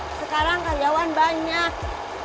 sekarang karyawan banyak